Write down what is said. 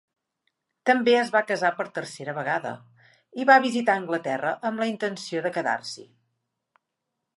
També es va casar per tercera vegada i va visitar Anglaterra amb la intenció de quedar-s'hi.